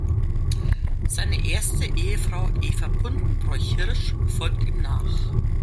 Seine erste Ehefrau Eva Buntenbroich-Hirsch folgt ihm nach.